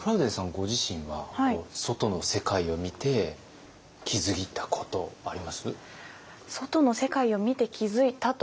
ご自身は外の世界を見て気付いたことあります？